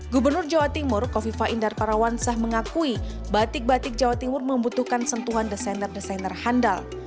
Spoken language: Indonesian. gubernur jawa timur kofifa indar parawansa mengakui batik batik jawa timur membutuhkan sentuhan desainer desainer handal